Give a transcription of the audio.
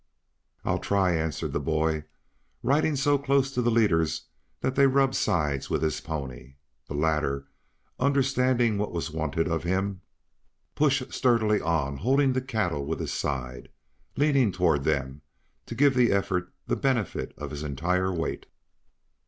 "I'll try," answered the boy, riding so close to the leaders that they rubbed sides with his pony. The latter, understanding what was wanted of him, pushed sturdily on holding the cattle with his side, leaning toward them to give the effort the benefit of his entire weight.